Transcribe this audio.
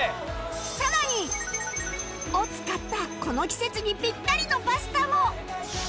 さらにを使ったこの季節にピッタリのパスタも